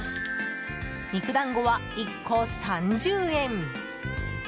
肉団子は、１個３０円。